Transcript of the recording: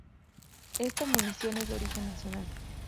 Esta munición es de origen nacional.